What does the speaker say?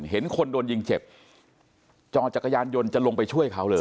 เห็นคนโดนยิงเจ็บจอดจักรยานยนต์จะลงไปช่วยเขาเลย